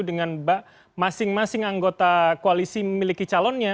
dengan masing masing anggota koalisi memiliki calonnya